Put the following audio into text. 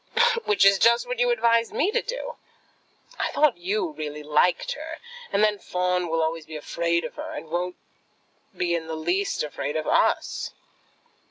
"Which is just what you advised me to do." "I thought you really liked her. And then Fawn will be always afraid of her, and won't be in the least afraid of us.